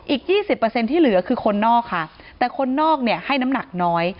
อีก๒๐ที่เหลือคือคนนอกค่ะแต่คนนอกเนี่ยให้น้ำหนักน้อย